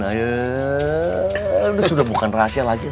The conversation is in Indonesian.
ya sudah bukan rahasia lagi